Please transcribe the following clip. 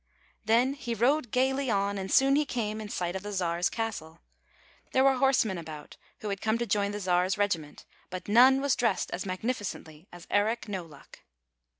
Then he rode gaily on, and soon he came in sight of the Czar's castle. There were horsemen about who had come to join the Czar's regiment, but none was dressed as magnificently as Eric No Luck.